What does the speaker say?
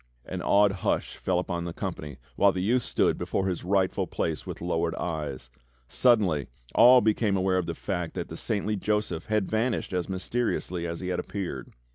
An awed hush fell upon the company, while the youth stood before his rightful place with lowered eyes. Suddenly all became aware of the fact that the saintly Joseph had vanished as myste THE COMING OF GALAHAD 113 riously as he had appeared.